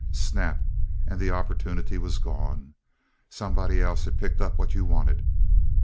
Snap! and the opportunity was gone. Somebody else had picked up what you wanted.